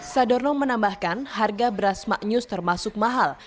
sadorno menambahkan harga beras maknyus termasuk mahal